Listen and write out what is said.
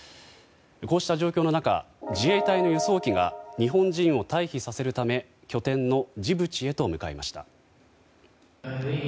こうした状況の中自衛隊の輸送機が日本人を退避させるため拠点のジブチへと向かいました。